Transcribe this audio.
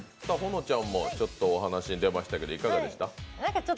保乃ちゃんもちょっとお話に出ましたけど、いかがでしたか？